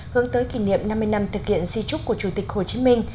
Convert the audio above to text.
hướng tới kỷ niệm năm mươi năm thực hiện di trúc của chủ tịch hồ chí minh